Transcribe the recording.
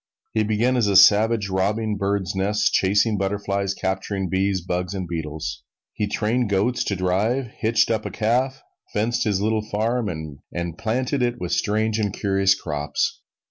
He began as a savage, robbing birds' nests, chasing butterflies, capturing bees, bugs and beetles. He trained goats to drive, hitched up a calf, fenced his little farm, and planted it with strange and curious crops.